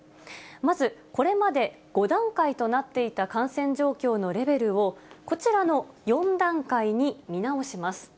まず、これまで５段階となっていた感染状況のレベルを、こちらの４段階に見直します。